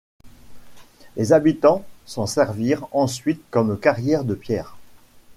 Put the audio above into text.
Les habitants s'en servirent ensuite comme carrière de pierres.